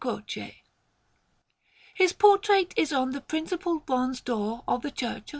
Croce. His portrait is on the principal bronze door of the Church of S.